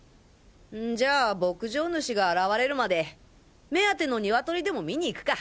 んじゃ牧場主が現れるまで目当てのニワトリでも見に行くか？